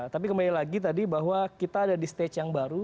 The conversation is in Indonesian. tapi kembali lagi tadi bahwa kita ada di stage yang baru